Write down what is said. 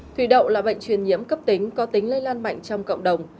thủy đậu là bệnh truyền nhiễm cấp tính có tính lây lan mạnh trong cộng đồng